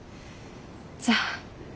じゃあ。